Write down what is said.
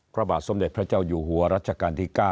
พระบาทสมเด็จพระเจ้าอยู่หัวรัชกาลที่๙